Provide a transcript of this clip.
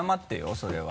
それは。